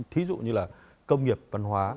thí dụ như là công nghiệp văn hóa